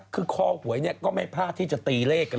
คือคอหวยนี่ก็ไม่พลาดที่จะตีเลขเลยล่ะ